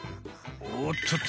おっとっと。